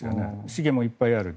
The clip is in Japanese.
資源もいっぱいある。